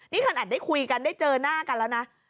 นี่ขนาดได้คุยกันได้เจอหน้ากันแล้วนะ